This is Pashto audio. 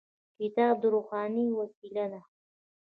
کتاب د روښنايي وسیله ده.